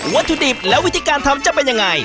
วัตถุดิบและวิธีการทำจะเป็นยังไง